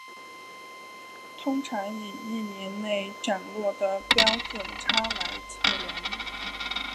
通常以一年内涨落的标准差来测量。